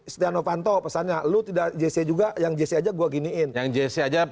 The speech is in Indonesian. setia novanto pesannya